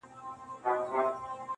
د ستورو په رڼا به رویباري کوو د میني-